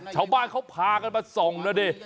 ชาวบ้านเขาพากันมาส่องนั่นเนี่ย